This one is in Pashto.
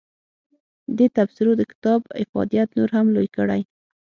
دې تبصرو د کتاب افادیت نور هم لوی کړی.